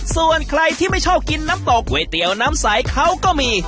ส่วนใครที่ไม่ชอบกินน้ำตกก๋วยเตี๋ยวน้ำใสเขาก็มี